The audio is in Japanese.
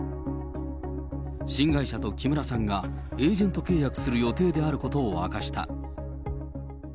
新会社と木村さんがエージェント契約する予定であることを明かした。